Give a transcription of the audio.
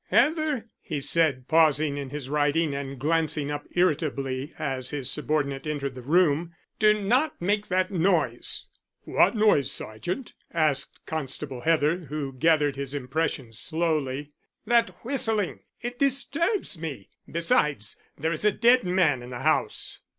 "Heather," he said, pausing in his writing and glancing up irritably as his subordinate entered the room, "do not make that noise." "What noise, sergeant?" asked Constable Heather, who gathered his impressions slowly. "That whistling. It disturbs me. Besides, there is a dead man in the house."